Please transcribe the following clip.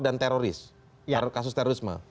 dan teroris kasus terorisme